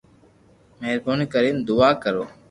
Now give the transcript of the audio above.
مھربوني ڪرين دعا ڪرو